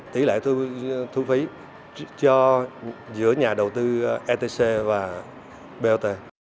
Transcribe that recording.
tỷ lệ thu phí giữa nhà đầu tư etc và bot